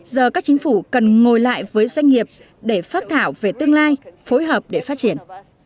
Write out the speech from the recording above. giờ các chính phủ cần ngồi lại với doanh nghiệp để phát thảo về tương lai phối hợp để phát triển